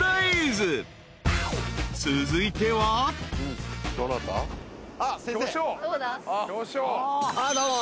［続いては］どうも。